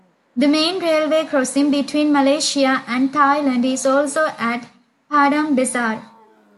The main railway crossing between Malaysia and Thailand is also at Padang Besar.